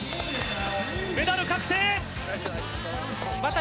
メダル確定。